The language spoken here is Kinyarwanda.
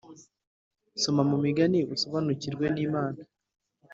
Soma mu Migani usobanukirwe ni imana